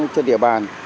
trên địa bàn